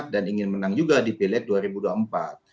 dan ingin menang juga di vilpres dua ribu dua puluh empat